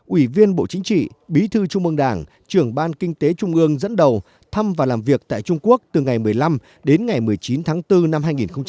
ủy viên bộ chính trị bí thư trung ương đảng trưởng ban kinh tế trung ương dẫn đầu thăm và làm việc tại trung quốc từ ngày một mươi năm đến ngày một mươi chín tháng bốn năm hai nghìn hai mươi